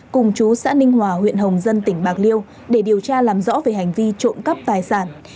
cùng chú xã ninh hòa huyện hồng dân tỉnh bạc liêu để điều tra làm rõ về hành vi trộm cắp tài sản